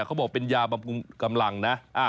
เขาบอกเป็นยาบำพุงกำลังนะ